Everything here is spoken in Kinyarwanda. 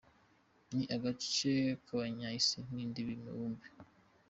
Ni agace kagabanya isi n’indi mibumbe .